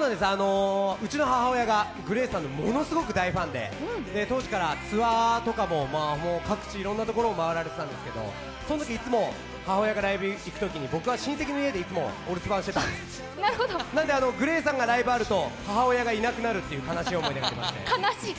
うちの母親がＧＬＡＹさんのものすごく大ファンで、当時からツアーとか各地いろんなところを回っていたんですけど母親がライブ行くときに、僕は親戚の家でいつもお留守番で、なのでＧＬＡＹさんがライブあると、母親がいなくなるという悲しい思い出があります。